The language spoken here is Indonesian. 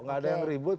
enggak ada yang ribut